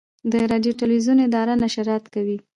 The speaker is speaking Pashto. د راډیو تلویزیون اداره نشرات کوي